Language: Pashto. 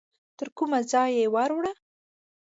ته کوم ځای یې وروره.